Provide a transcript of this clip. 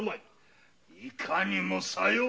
いかにもさよう。